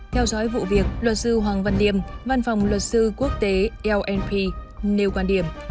theo dõi vụ việc luật sư hoàng văn tiêm văn phòng luật sư quốc tế lnp nêu quan điểm